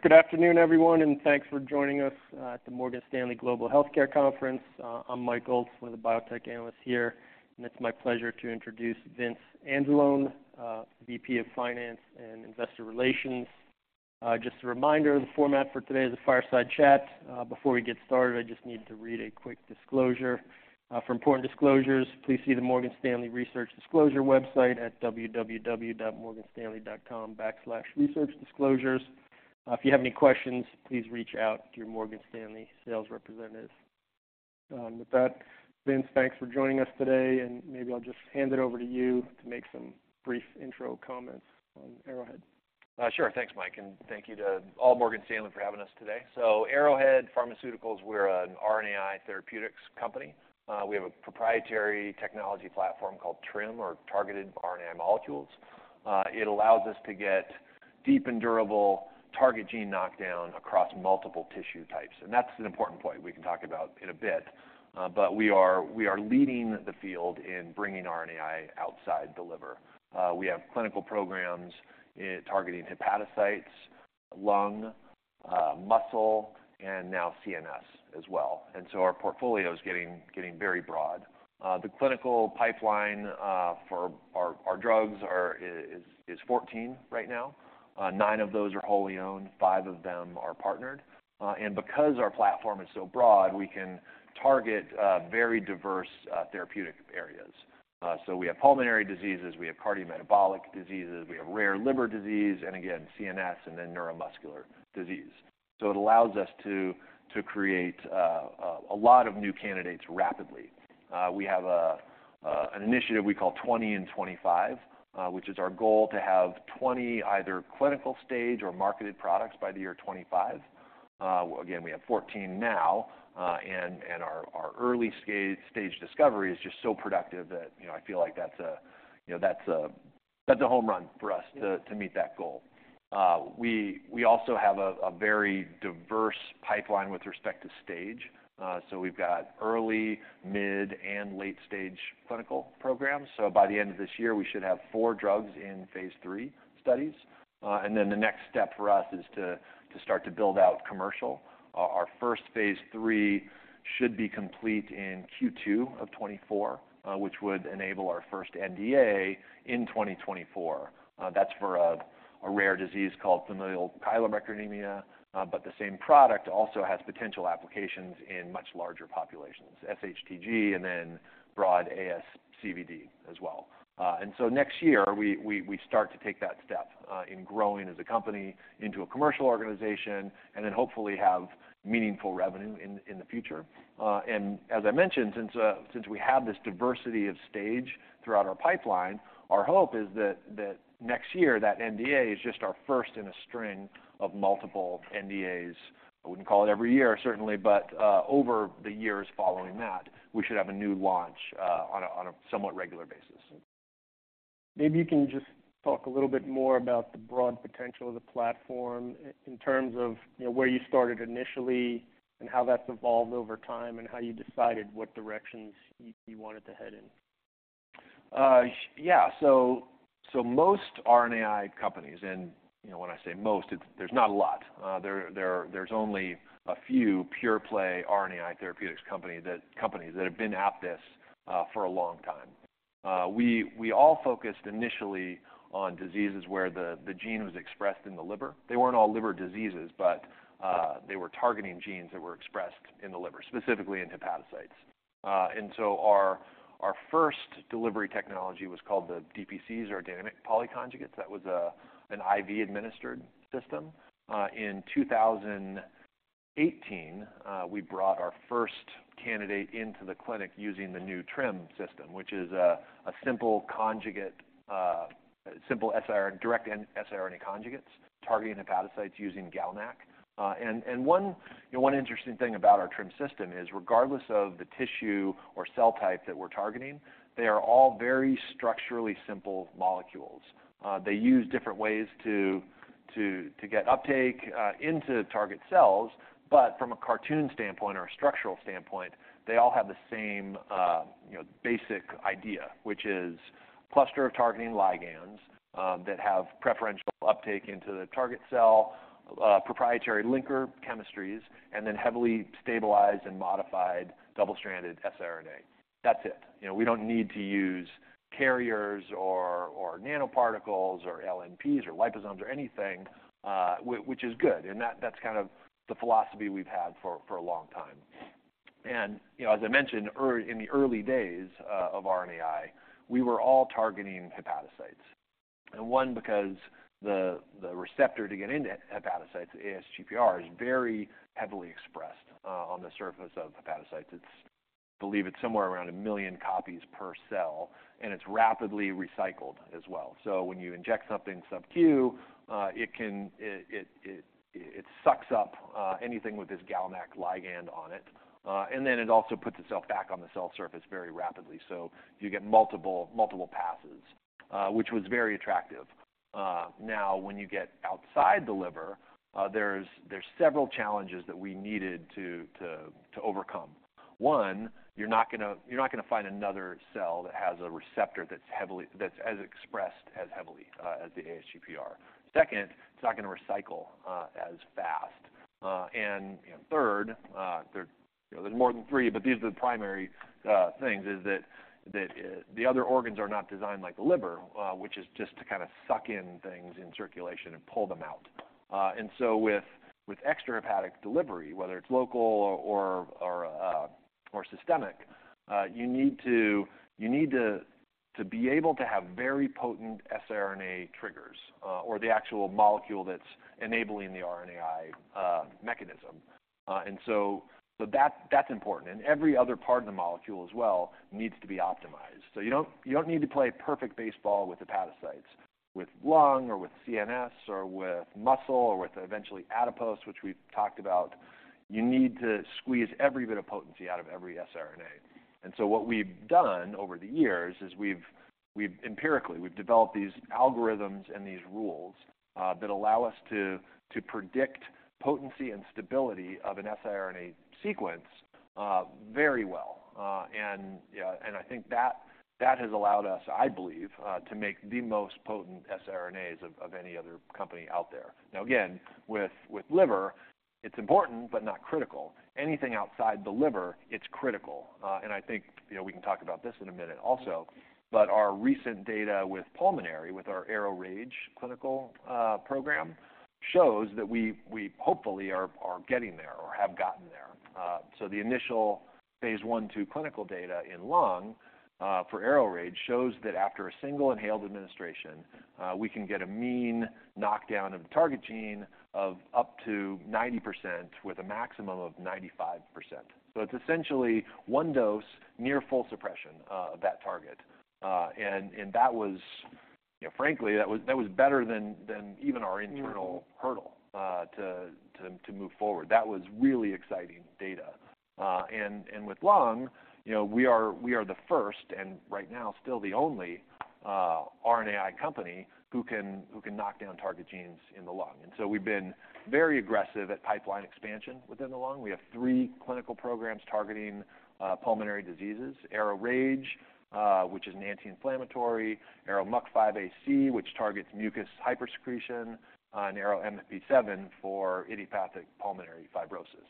Good afternoon, everyone, and thanks for joining us at the Morgan Stanley Global Healthcare Conference. I'm Mike Grace, one of the biotech analysts here, and it's my pleasure to introduce Vince Anzalone, VP of Finance and Investor Relations. Just a reminder, the format for today is a fireside chat. Before we get started, I just need to read a quick disclosure. "For important disclosures, please see the Morgan Stanley Research Disclosure website at www.morganstanley.com/researchdisclosures. If you have any questions, please reach out to your Morgan Stanley sales representative." With that, Vince, thanks for joining us today, and maybe I'll just hand it over to you to make some brief intro comments on Arrowhead. Sure. Thanks, Mike, and thank you to all Morgan Stanley for having us today. So Arrowhead Pharmaceuticals, we're an RNAi therapeutics company. We have a proprietary technology platform called TRiM or Targeted RNAi Molecules. It allows us to get deep and durable target gene knockdown across multiple tissue types, and that's an important point we can talk about in a bit. But we are leading the field in bringing RNAi outside the liver. We have clinical programs targeting hepatocytes, lung, muscle, and now CNS as well, and so our portfolio is getting very broad. The clinical pipeline for our drugs is 14 right now. Nine of those are wholly owned, five of them are partnered. And because our platform is so broad, we can target very diverse therapeutic areas. So we have pulmonary diseases, we have cardiometabolic diseases, we have rare liver disease, and again, CNS and then neuromuscular disease. So it allows us to create a lot of new candidates rapidly. We have an initiative we call 20 in 25, which is our goal to have 20 either clinical-stage or marketed products by the year 2025. Again, we have 14 now, and our early-stage discovery is just so productive that, you know, I feel like that's a, you know, that's a home run for us to meet that goal. We also have a very diverse pipeline with respect to stage. So we've got early-, mid-, and late-stage clinical programs. So by the end of this year, we should have 4 drugs in phase 3 studies. And then the next step for us is to start to build out commercial. Our first phase III should be complete in Q2 of 2024, which would enable our first NDA in 2024. That's for a rare disease called familial chylomicronemia, but the same product also has potential applications in much larger populations, FHTG and then broad ASCVD as well. And so next year, we start to take that step in growing as a company into a commercial organization and then hopefully have meaningful revenue in the future. And as I mentioned, since we have this diversity of stage throughout our pipeline, our hope is that next year, that NDA is just our first in a string of multiple NDAs. I wouldn't call it every year, certainly, but over the years following that, we should have a new launch on a somewhat regular basis. Maybe you can just talk a little bit more about the broad potential of the platform in terms of, you know, where you started initially and how that's evolved over time and how you decided what directions you wanted to head in. Yeah. So most RNAi companies, and, you know, when I say most, it's... There's not a lot. There's only a few pure play RNAi therapeutics companies that have been at this for a long time. We all focused initially on diseases where the gene was expressed in the liver. They weren't all liver diseases, but they were targeting genes that were expressed in the liver, specifically in hepatocytes. So our first delivery technology was called the DPCs or dynamic polyconjugates. That was an IV-administered system. In 2018, we brought our first candidate into the clinic using the new TRiM system, which is a simple conjugate, simple siRNA direct siRNA conjugates, targeting hepatocytes using GalNAc. And one, you know, one interesting thing about our TRiM system is, regardless of the tissue or cell type that we're targeting, they are all very structurally simple molecules. They use different ways to get uptake into target cells, but from a cartoon standpoint or a structural standpoint, they all have the same, you know, basic idea, which is a cluster of targeting ligands that have preferential uptake into the target cell, proprietary linker chemistries, and then heavily stabilized and modified double-stranded siRNA. That's it. You know, we don't need to use carriers or nanoparticles or LNPs or liposomes or anything, which is good, and that's kind of the philosophy we've had for a long time. And, you know, as I mentioned, in the early days of RNAi, we were all targeting hepatocytes, and because the receptor to get into hepatocytes, ASGPR, is very heavily expressed on the surface of hepatocytes. It's, I believe it's somewhere around 1 million copies per cell, and it's rapidly recycled as well. So when you inject something subQ, it can... It sucks up anything with this GalNAc ligand on it, and then it also puts itself back on the cell surface very rapidly. So you get multiple passes, which was very attractive. Now, when you get outside the liver, there's several challenges that we needed to overcome. One, you're not gonna, you're not gonna find another cell that has a receptor that's heavily- that's as expressed as heavily, as the ASGPR. Second, it's not gonna recycle as fast. And, you know, third, there, you know, there's more than three, but these are the primary things, is that the other organs are not designed like the liver, which is just to kinda suck in things in circulation and pull them out. And so with extrahepatic delivery, whether it's local or systemic, you need to be able to have very potent siRNA triggers or the actual molecule that's enabling the RNAi mechanism. And so that's important, and every other part of the molecule as well needs to be optimized. So you don't need to play perfect baseball with hepatocytes. With lung or with CNS or with muscle or with eventually adipose, which we've talked about, you need to squeeze every bit of potency out of every siRNA. And so what we've done over the years is we've empirically developed these algorithms and these rules that allow us to predict potency and stability of an siRNA sequence very well. And I think that has allowed us, I believe, to make the most potent siRNAs of any other company out there. Now, again, with liver, it's important but not critical. Anything outside the liver, it's critical. And I think, you know, we can talk about this in a minute also, but our recent data with pulmonary, with our ARO-RAGE clinical program, shows that we hopefully are getting there or have gotten there. So the initial phase I/II clinical data in lung for ARO-RAGE shows that after a single inhaled administration, we can get a mean knockdown of the target gene of up to 90%, with a maximum of 95%. So it's essentially one dose, near full suppression of that target. And that was, you know, frankly, that was better than even our internal- Mm-hmm... hurdle to move forward. That was really exciting data. And with lung, you know, we are the first, and right now, still the only RNAi company who can knock down target genes in the lung. And so we've been very aggressive at pipeline expansion within the lung. We have three clinical programs targeting pulmonary diseases: ARO-RAGE, which is an anti-inflammatory; ARO-MUC5AC, which targets mucus hypersecretion; and ARO-MMP7 for idiopathic pulmonary fibrosis.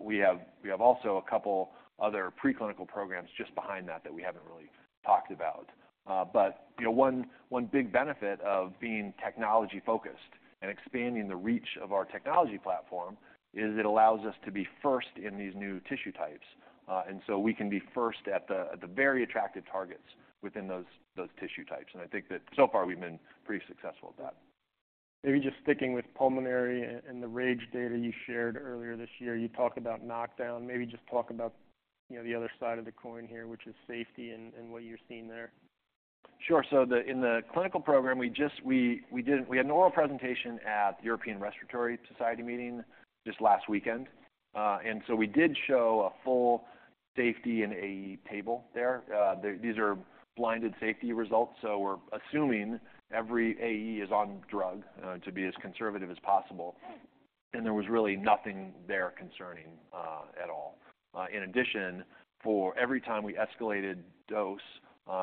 We have also a couple other preclinical programs just behind that that we haven't really talked about. But you know, one big benefit of being technology-focused and expanding the reach of our technology platform is it allows us to be first in these new tissue types. And so we can be first at the very attractive targets within those tissue types, and I think that so far we've been pretty successful at that. Maybe just sticking with pulmonary and the RAGE data you shared earlier this year, you talked about knockdown. Maybe just talk about, you know, the other side of the coin here, which is safety and what you're seeing there. Sure. So in the clinical program, we had an oral presentation at the European Respiratory Society meeting just last weekend. And so we did show a full safety and AE table there. These are blinded safety results, so we're assuming every AE is on drug, to be as conservative as possible, and there was really nothing there concerning at all. In addition, for every time we escalated dose,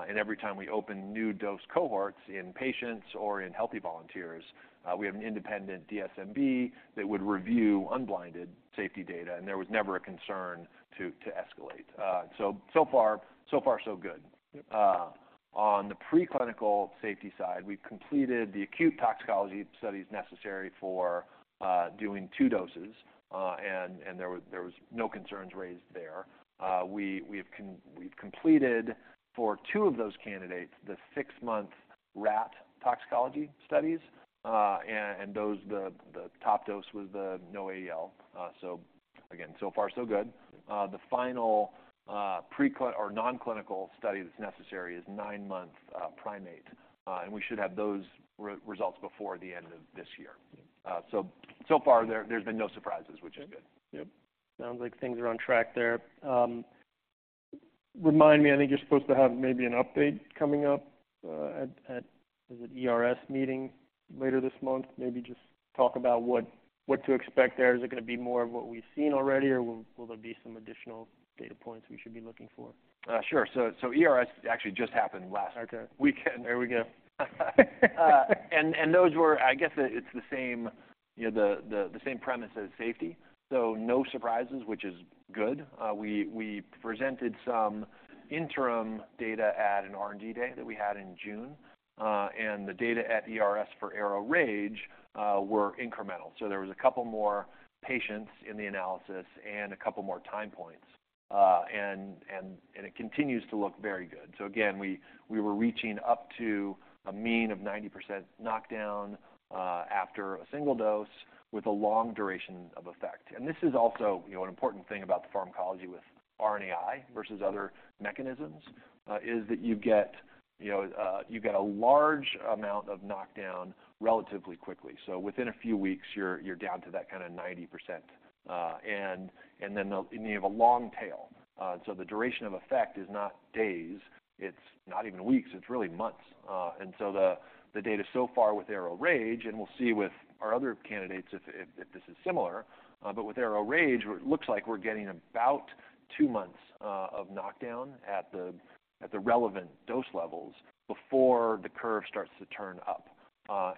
and every time we opened new dose cohorts in patients or in healthy volunteers, we have an independent DSMB that would review unblinded safety data, and there was never a concern to escalate. So far, so good. Yep. On the preclinical safety side, we've completed the acute toxicology studies necessary for doing two doses, and there was no concerns raised there. We've completed, for two of those candidates, the six-month rat toxicology studies, and those, the top dose was no AEL. So again, so far, so good. The final preclinical or nonclinical study that's necessary is nine-month primate, and we should have those results before the end of this year. Yep. So far, there's been no surprises, which is good. Yep. Sounds like things are on track there. Remind me, I think you're supposed to have maybe an update coming up at the ERS meeting later this month? Maybe just talk about what to expect there. Is it gonna be more of what we've seen already, or will there be some additional data points we should be looking for? Sure. So, ERS actually just happened last- Okay... weekend. There we go. Those were... I guess it's the same, you know, the same premise as safety, so no surprises, which is good. We presented some interim data at an R&D day that we had in June, and the data at ERS for ARO-RAGE were incremental. So there was a couple more patients in the analysis and a couple more time points, and it continues to look very good. So again, we were reaching up to a mean of 90% knockdown after a single dose with a long duration of effect. And this is also, you know, an important thing about the pharmacology with RNAi versus other mechanisms is that you get, you know, you get a large amount of knockdown relatively quickly. So within a few weeks, you're down to that kinda 90%, and then the... and you have a long tail. So the duration of effect is not days, it's not even weeks, it's really months. And so the data so far with ARO-RAGE, and we'll see with our other candidates if this is similar, but with ARO-RAGE, it looks like we're getting about two months of knockdown at the relevant dose levels before the curve starts to turn up.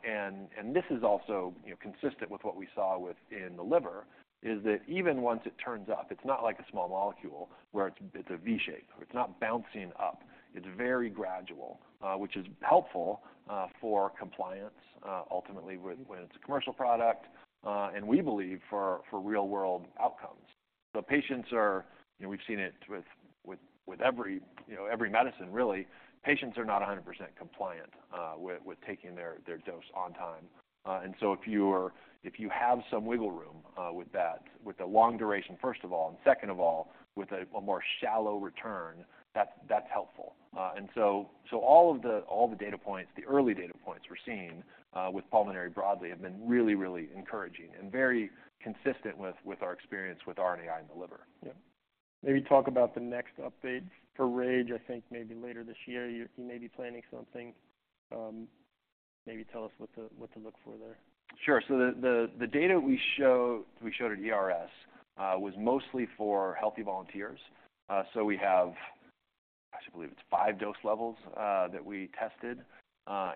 And this is also, you know, consistent with what we saw with in the liver, is that even once it turns up, it's not like a small molecule where it's a V shape. So it's not bouncing up. It's very gradual, which is helpful for compliance, ultimately when it's a commercial product, and we believe for real-world outcomes. So patients are, you know, we've seen it with every, you know, every medicine really. Patients are not 100% compliant with taking their dose on time. And so if you have some wiggle room with that, with the long duration, first of all, and second of all, with a more shallow return, that's helpful. And so all the data points, the early data points we're seeing with pulmonary broadly, have been really, really encouraging and very consistent with our experience with RNAi in the liver. Yeah. Maybe talk about the next update for RAGE. I think maybe later this year, you may be planning something. Maybe tell us what to look for there. Sure. So the data we showed at ERS was mostly for healthy volunteers. So we have, I believe it's five dose levels that we tested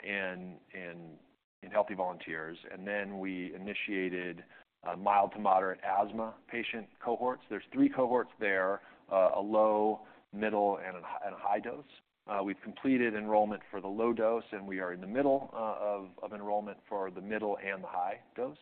in healthy volunteers, and then we initiated a mild to moderate asthma patient cohorts. There's three cohorts there, a low, middle, and a high dose. We've completed enrollment for the low dose, and we are in the middle of enrollment for the middle and the high dose.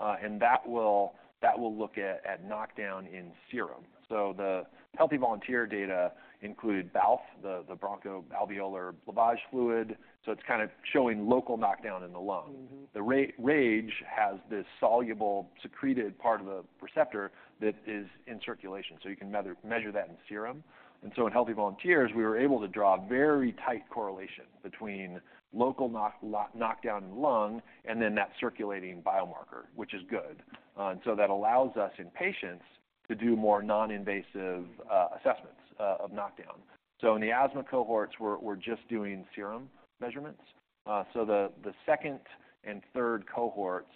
And that will look at knockdown in serum. So the healthy volunteer data include BALF, the bronchoalveolar lavage fluid, so it's kind of showing local knockdown in the lung. Mm-hmm. The RAGE has this soluble, secreted part of the receptor that is in circulation, so you can measure that in serum. And so in healthy volunteers, we were able to draw a very tight correlation between local knockdown in lung and then that circulating biomarker, which is good. And so that allows us, in patients, to do more non-invasive assessments of knockdown. So in the asthma cohorts, we're just doing serum measurements. So the second and third cohorts,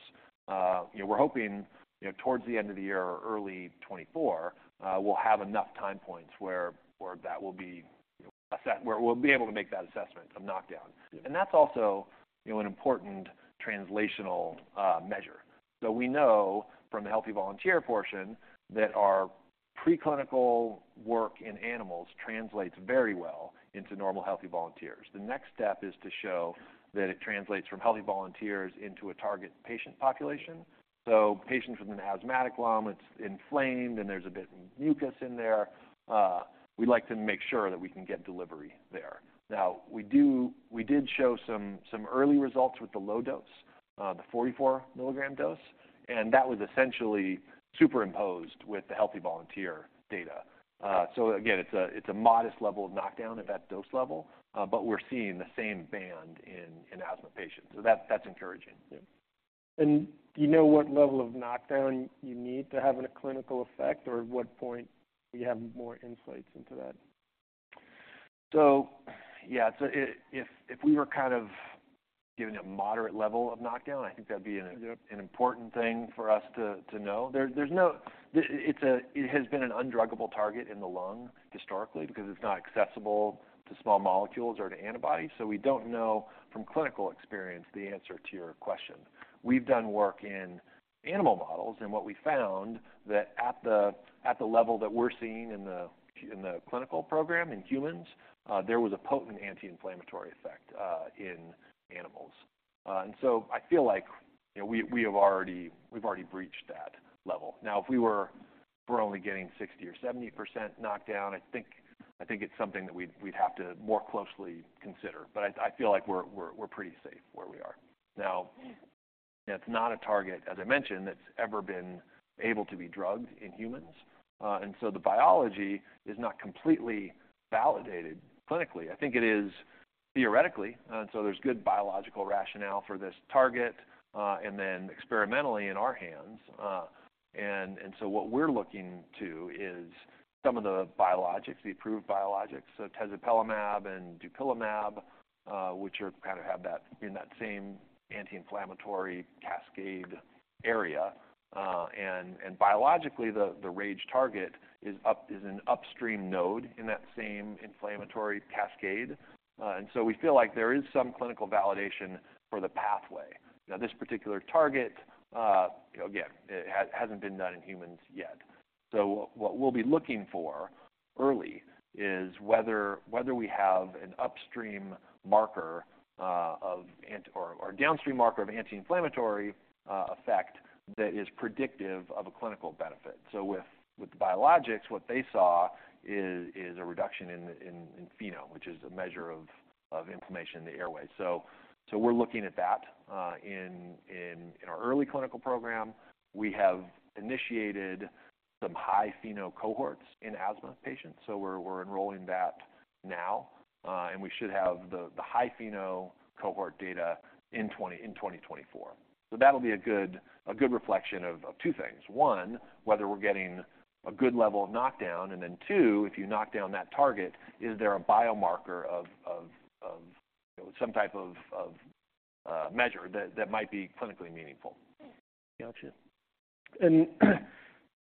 you know, we're hoping, you know, towards the end of the year or early 2024, we'll have enough time points where that will be, you know, assess where we'll be able to make that assessment of knockdown. Yeah. That's also, you know, an important translational measure. So we know from the healthy volunteer portion, that our preclinical work in animals translates very well into normal, healthy volunteers. The next step is to show that it translates from healthy volunteers into a target patient population. So patients with an asthmatic lung, it's inflamed, and there's a bit of mucus in there, we'd like to make sure that we can get delivery there. Now, we did show some early results with the low dose, the 44 mg dose, and that was essentially superimposed with the healthy volunteer data. So again, it's a modest level of knockdown at that dose level, but we're seeing the same band in asthma patients, so that's encouraging. Yeah. And do you know what level of knockdown you need to have in a clinical effect, or at what point do you have more insights into that? So yeah. So if, if we were kind of giving a moderate level of knockdown, I think that'd be an- Yep... an important thing for us to know. There's no... It's a, it has been an undruggable target in the lung historically because it's not accessible to small molecules or to antibodies, so we don't know from clinical experience the answer to your question. We've done work in animal models, and what we found that at the level that we're seeing in the clinical program in humans, there was a potent anti-inflammatory effect in animals. And so I feel like, you know, we have already breached that level. Now, if we were only getting 60% or 70% knockdown, I think it's something that we'd have to more closely consider. But I feel like we're pretty safe where we are. Now, it's not a target, as I mentioned, that's ever been able to be drugged in humans, and so the biology is not completely validated clinically. I think it is theoretically, and so there's good biological rationale for this target, and then experimentally in our hands. So what we're looking to is some of the biologics, the approved biologics, so tezepelumab and dupilumab, which are kind of have that, in that same anti-inflammatory cascade area. Biologically, the RAGE target is an upstream node in that same inflammatory cascade, and so we feel like there is some clinical validation for the pathway. Now, this particular target, again, it hasn't been done in humans yet. So what we'll be looking for early is whether we have an upstream marker, of ant... Or downstream marker of anti-inflammatory effect that is predictive of a clinical benefit. So with the biologics, what they saw is a reduction in FeNO, which is a measure of inflammation in the airway. So we're looking at that. In our early clinical program, we have initiated some high FeNO cohorts in asthma patients, so we're enrolling that now, and we should have the high FeNO cohort data in 2024. So that'll be a good reflection of two things: one, whether we're getting a good level of knockdown, and then two, if you knock down that target, is there a biomarker of, you know, some type of measure that might be clinically meaningful? Gotcha. And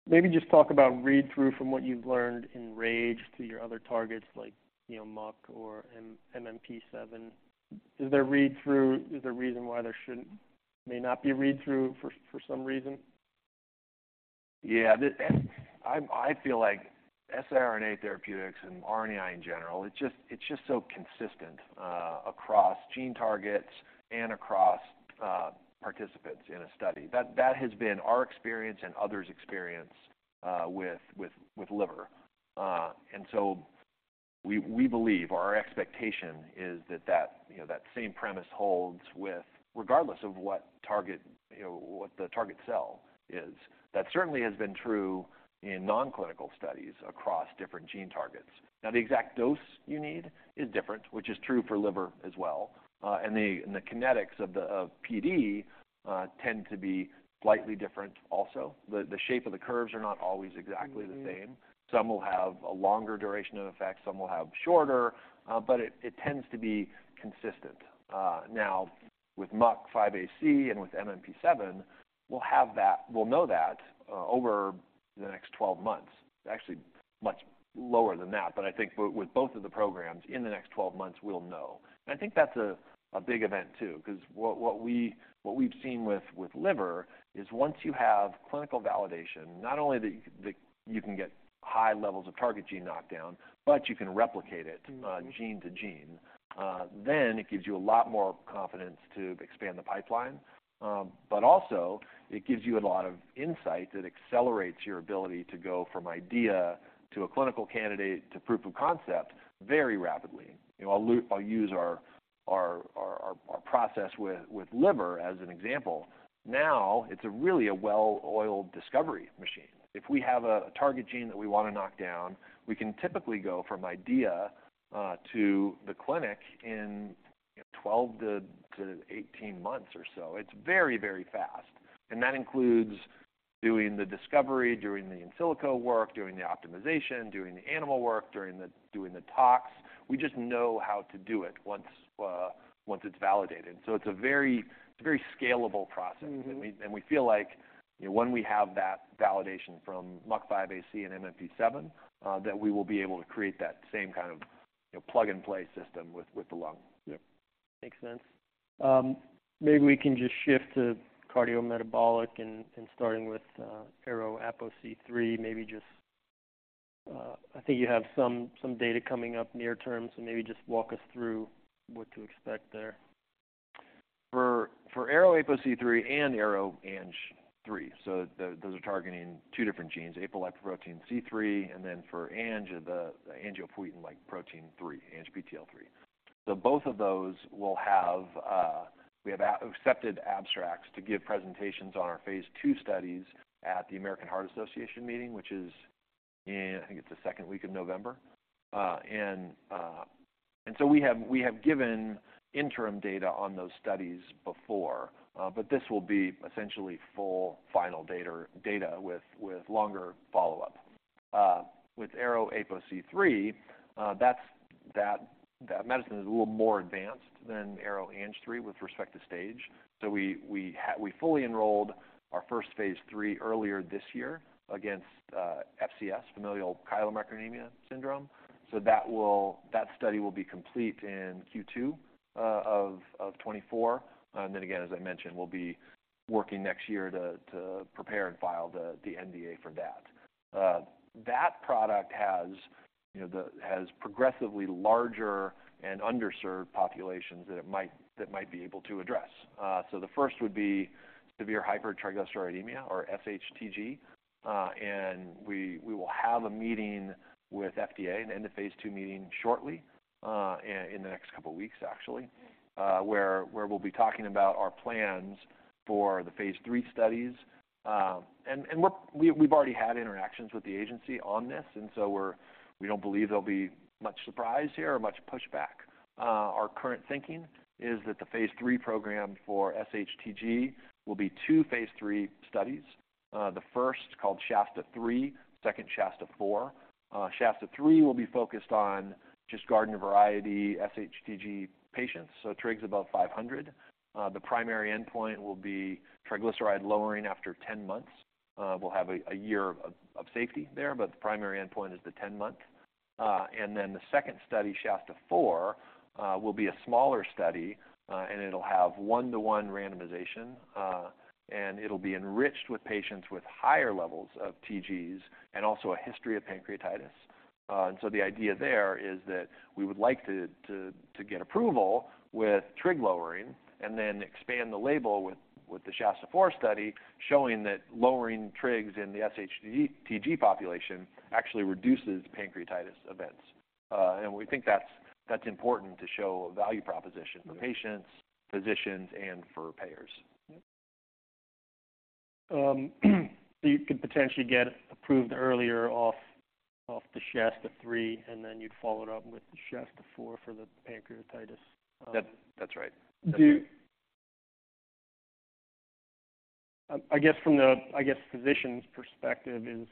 maybe just talk about read-through from what you've learned in RAGE to your other targets, like, you know, MUC or MMP7. Is there read-through? Is there a reason why there shouldn't, may not be read-through for some reason? Yeah. siRNA therapeutics and RNAi in general, it's just so consistent across gene targets and across participants in a study. That has been our experience and others' experience with liver. And so we believe, or our expectation is that, you know, that same premise holds with regardless of what target, you know, what the target cell is. That certainly has been true in non-clinical studies across different gene targets. Now, the exact dose you need is different, which is true for liver as well. And the kinetics of the PD tend to be slightly different also. The shape of the curves are not always exactly the same. Mm-hmm. Some will have a longer duration of effect, some will have shorter, but it tends to be consistent. Now, with MUC5AC and with MMP7, we'll have that... We'll know that, over the next 12 months. Actually, much lower than that, but I think with both of the programs in the next 12 months, we'll know. And I think that's a big event, too, 'cause what we've seen with liver is once you have clinical validation, not only that you can get high levels of target gene knockdown, but you can replicate it- Mm-hmm... gene to gene, then it gives you a lot more confidence to expand the pipeline. But also, it gives you a lot of insight that accelerates your ability to go from idea to a clinical candidate to proof of concept very rapidly. You know, I'll use our process with liver as an example. Now, it's a really a well-oiled discovery machine. If we have a target gene that we want to knock down, we can typically go from idea to the clinic in 12-18 months or so. It's very, very fast, and that includes doing the discovery, doing the in silico work, doing the optimization, doing the animal work, doing the tox. We just know how to do it once it's validated. So it's a very, it's a very scalable process. Mm-hmm. We feel like, you know, when we have that validation from MUC5AC and MMP7, that we will be able to create that same kind of, you know, plug-and-play system with the lung. Yep, makes sense. Maybe we can just shift to cardiometabolic and starting with ARO-APOC3. Maybe just, I think you have some data coming up near term, so maybe just walk us through what to expect there. For ARO-APOC3 and ARO-ANG3, so those are targeting two different genes, apolipoprotein C-III, and then for ANG, the angiopoietin-like protein three, ANGPTL3. So both of those will have accepted abstracts to give presentations on our phase II studies at the American Heart Association meeting, which is in the second week of November. And so we have given interim data on those studies before, but this will be essentially full final data with longer follow-up. With ARO-APOC3, that's that medicine is a little more advanced than ARO-ANG3 with respect to stage. So we fully enrolled our first phase III earlier this year against FCS, familial chylomicronemia syndrome. So that study will be complete in Q2 of 2024. As I mentioned, we'll be working next year to prepare and file the NDA for that. That product has, you know, progressively larger and underserved populations that it might be able to address. So the first would be severe hypertriglyceridemia, or SHTG, and we will have a meeting with FDA, an end-of-phase II meeting shortly, in the next couple weeks, actually, where we'll be talking about our plans for the phase III studies. And we've already had interactions with the agency on this, and so we don't believe there'll be much surprise here or much pushback. Our current thinking is that the phase III program for SHTG will be two phase III studies. The first called SHASTA-3, second, SHASTA-4. SHASTA-3 will be focused on just garden variety SHTG patients, so trigs above 500. The primary endpoint will be triglyceride lowering after 10 months. We'll have a year of safety there, but the primary endpoint is the 10 month. And then the second study, SHASTA-4, will be a smaller study, and it'll be enriched with patients with higher levels of TGs and also a history of pancreatitis. And so the idea there is that we would like to get approval with trig lowering and then expand the label with the SHASTA-4 study, showing that lowering trigs in the SHTG population actually reduces pancreatitis events. And we think that's important to show a value proposition- Yep... for patients, physicians, and for payers. Yep. So you could potentially get approved earlier off the SHASTA-3, and then you'd follow it up with the SHASTA-4 for the pancreatitis. That, that's right. I guess from the physician's perspective, is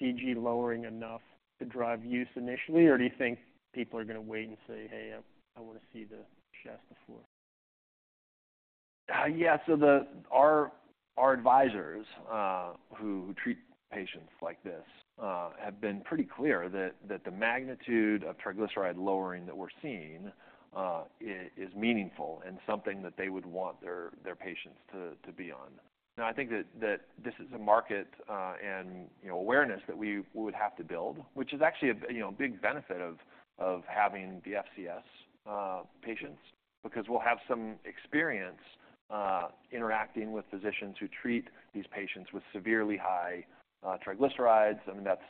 TG lowering enough to drive use initially, or do you think people are going to wait and say, "Hey, I want to see the SHASTA-4?... Yeah, so our advisors who treat patients like this have been pretty clear that the magnitude of triglyceride lowering that we're seeing is meaningful and something that they would want their patients to be on. Now, I think that this is a market, and, you know, awareness that we would have to build, which is actually, you know, a big benefit of having the FCS patients, because we'll have some experience interacting with physicians who treat these patients with severely high triglycerides. I mean, that's,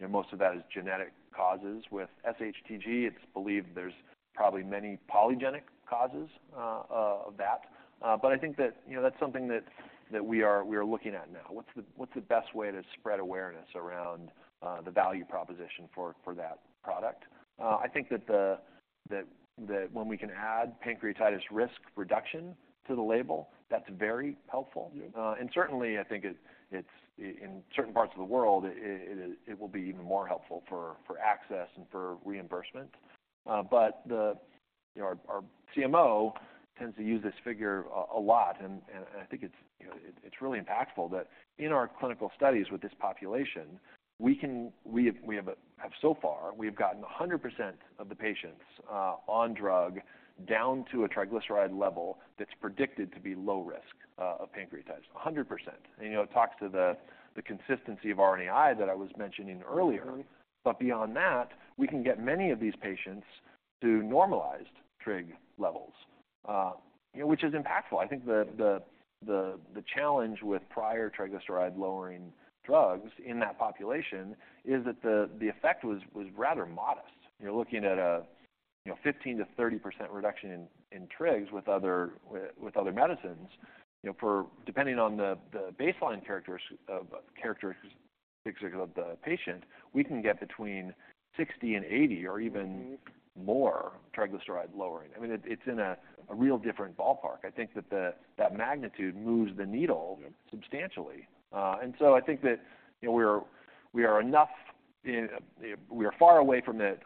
you know, most of that is genetic causes. With SHTG, it's believed there's probably many polygenic causes of that. But I think that, you know, that's something that we are looking at now. What's the best way to spread awareness around the value proposition for that product? I think that when we can add pancreatitis risk reduction to the label, that's very helpful. Yep. And certainly, I think it's in certain parts of the world, it will be even more helpful for access and for reimbursement. But the... You know, our CMO tends to use this figure a lot, and I think it's, you know, it's really impactful that in our clinical studies with this population, we have so far, we've gotten 100% of the patients on drug down to a triglyceride level that's predicted to be low risk of pancreatitis, 100%. And, you know, it talks to the consistency of RNAi that I was mentioning earlier. Mm-hmm. But beyond that, we can get many of these patients to normalized trig levels, you know, which is impactful. I think the challenge with prior triglyceride-lowering drugs in that population is that the effect was rather modest. You're looking at, you know, 15%-30% reduction in trigs with other medicines. You know, depending on the baseline characteristics of the patient, we can get between 60% and 80%- Mm-hmm... or even more triglyceride lowering. I mean, it's in a real different ballpark. I think that that magnitude moves the needle- Yep... substantially. And so I think that, you know, we're, we are enough in, we are far away from it,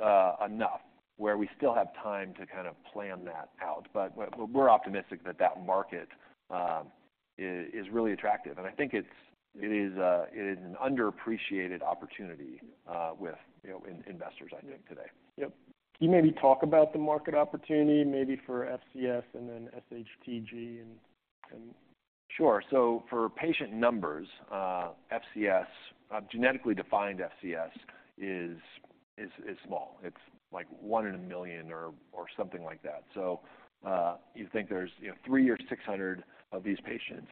enough, where we still have time to kind of plan that out. But we're, we're optimistic that that market, is, is really attractive, and I think it's, it is a, it is an underappreciated opportunity, with, you know, in investors, I think, today. Yep. Can you maybe talk about the market opportunity, maybe for FCS and then SHTG and? Sure. So for patient numbers, FCS, genetically defined FCS is small. It's like one in a million or something like that. So, you think there's, you know, 300 or 600 of these patients,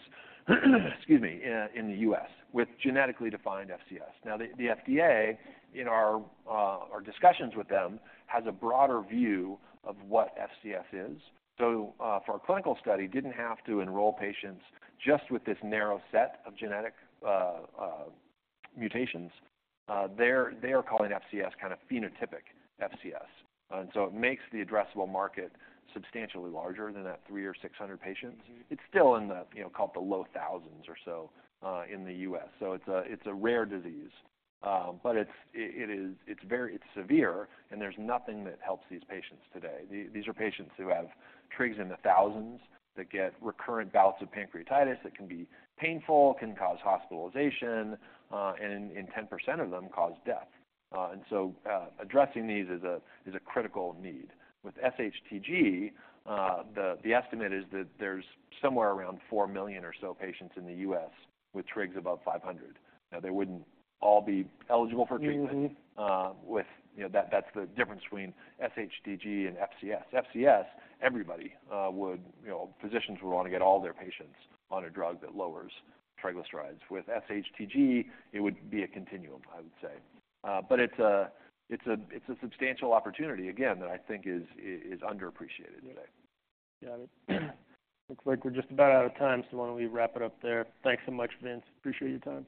excuse me, in the U.S. with genetically defined FCS. Now, the FDA, in our discussions with them, has a broader view of what FCS is. So, for our clinical study, didn't have to enroll patients just with this narrow set of genetic mutations. They're calling FCS kind of phenotypic FCS, and so it makes the addressable market substantially larger than that 300 or 600 patients. Mm-hmm. It's still in the, you know, called the low thousands or so in the U.S., so it's a rare disease. But it's very severe, and there's nothing that helps these patients today. These are patients who have trigs in the thousands, that get recurrent bouts of pancreatitis that can be painful, can cause hospitalization, and in 10% of them, cause death. And so, addressing these is a critical need. With SHTG, the estimate is that there's somewhere around 4 million or so patients in the U.S. with trigs above 500. Now, they wouldn't all be eligible for treatment. Mm-hmm. You know, that's the difference between SHTG and FCS. FCS, everybody, you know, physicians would want to get all their patients on a drug that lowers triglycerides. With SHTG, it would be a continuum, I would say. But it's a substantial opportunity, again, that I think is underappreciated today. Got it. Looks like we're just about out of time, so why don't we wrap it up there? Thanks so much, Vince. Appreciate your time.